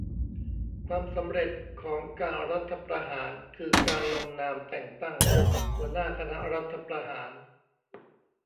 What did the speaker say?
"ความสำเร็จของการรัฐประหาร คือการลงนามแต่งตั้งหัวหน้าคณะรัฐประหาร"